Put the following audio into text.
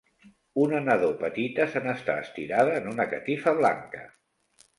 Una nadó petita se'n està estirada en una catifa blanca.